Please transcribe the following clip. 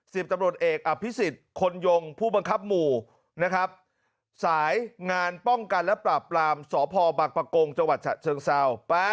๗สิบตำรวจเอกอภิษฐคนยงผู้บังคับหมู่สงป้องกันและปลาบรามสพบักปะโกงจเชิงเศร้า